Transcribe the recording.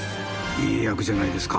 いい役じゃないですか。